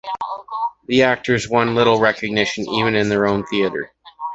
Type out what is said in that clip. The actors won little recognition, even in their own theatre.